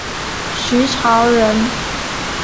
徐潮人。